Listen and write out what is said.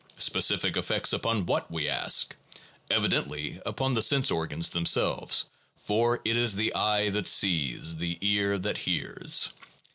Specific effects upon what, we ask? Evidently upon the sense organs themselves, for "it is the eye that sees, the ear that hears."